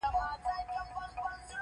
لومړی توری په غټ توري لیکل کیږي.